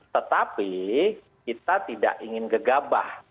tetapi kita tidak ingin gegabah